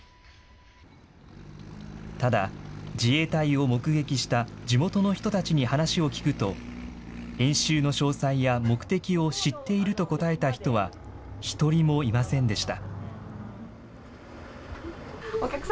ただ、自衛隊を目撃した地元の人たちに話を聞くと、演習の詳細や目的を知っていると答えた人は、１人もいませんでした。